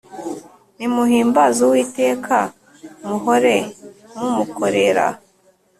Nimuhimbaz’ UwitekaMuhore mumukorera